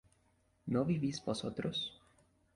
¿no vivís vosotros?